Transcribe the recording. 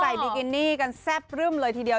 บิกินี่กันแซ่บรึ่มเลยทีเดียว